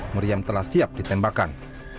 meriam telah siap ditembakan